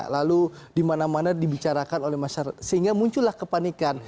lalu dimana mana dibicarakan oleh masyarakat sehingga muncullah kepanikan